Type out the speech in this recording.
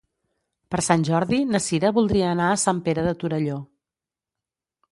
Per Sant Jordi na Cira voldria anar a Sant Pere de Torelló.